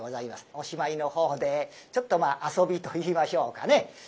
おしまいのほうでちょっと遊びといいましょうかね